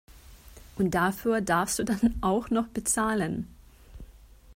Und dafür darfst du dann auch noch bezahlen!